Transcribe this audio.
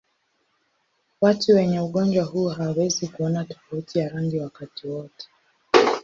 Watu wenye ugonjwa huu hawawezi kuona tofauti ya rangi wakati wote.